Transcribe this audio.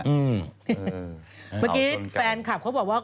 เมื่อกี้แฟนคลับเขาบอกว่า